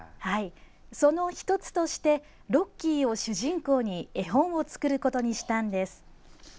その１つとしてロッキーを主人公に絵本を作ることにしたんです。